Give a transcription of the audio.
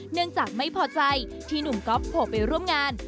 เนื่องจากไม่พอใจที่หนุ่มก๊อฟโผล่ไปร่วมงาน